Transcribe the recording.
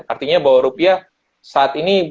artinya bahwa rupiah saat ini